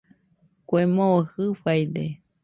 Kue moo Jɨfaide